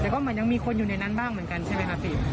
แต่ก็เหมือนยังมีคนอยู่ในนั้นบ้างเหมือนกันใช่ไหมคะพี่